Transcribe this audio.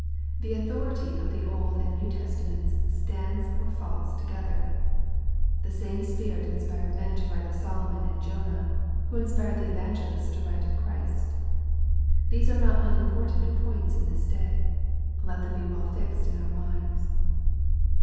The authority of the Old and New Testament stands or falls together. The same Spirit inspired men to write of Solomon and Jonah who inspired the Evangelists to write of Christ. These are not unimportant points in this day. Let them be well fixed in our minds.